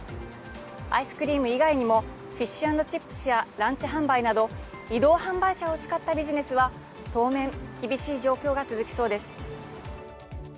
アイスクリーム以外にもフィッシュ・アンド・チップスやランチ販売など移動販売車を使ったビジネスは当面、厳しい状況が続きそうです。